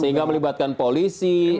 sehingga melibatkan polisi